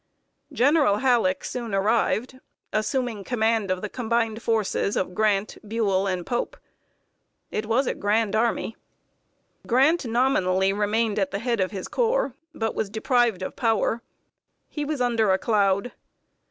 General Halleck soon arrived, assuming command of the combined forces of Grant, Buell, and Pope. It was a grand army. [Sidenote: GRANT UNDER A CLOUD.] Grant nominally remained at the head of his corps, but was deprived of power. He was under a cloud.